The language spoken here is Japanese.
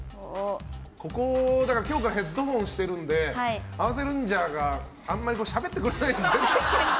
今日からヘッドホンしてるので合わせルンジャーが、あんまりしゃべってくれないんですよね。